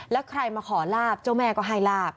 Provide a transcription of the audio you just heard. แล้วใครมาขอลาบเจ้าแม่ก็ให้ลาบ